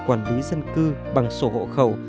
quản lý dân cư bằng sổ hộ khẩu